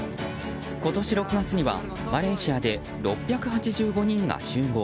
今年６月にはマレーシアで６８５人が集合。